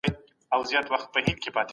د نا برابرۍ کمول د پرمختګ لامل دی.